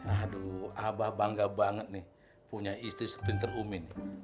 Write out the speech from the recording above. aduh abah bangga banget nih punya istri sprinter umin